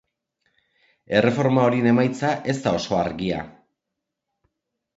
Erreforma horien emaitza ez da oso argia.